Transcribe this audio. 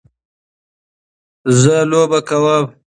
زه لوبه کوم.